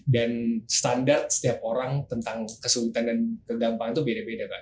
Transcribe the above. dan standar setiap orang tentang kesulitan dan kegampangan tuh beda beda pak